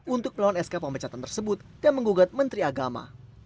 untuk melawan sk pemecatan tersebut dan menggugat menteri agama